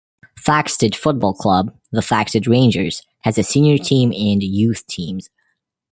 Thaxted football club, the Thaxted Rangers, has a senior team and youth teams.